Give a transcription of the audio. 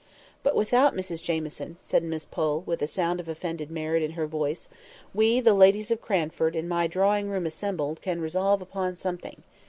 "But without Mrs Jamieson," said Miss Pole, with just a sound of offended merit in her voice, "we, the ladies of Cranford, in my drawing room assembled, can resolve upon something.